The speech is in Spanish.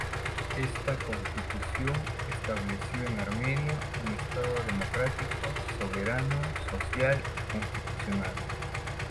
Esta Constitución estableció en Armenia un Estado democrático, soberano, social y constitucional.